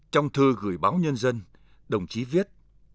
trong thư gửi báo nhân dân đồng chí viết